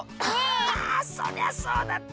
ああそりゃそうだ。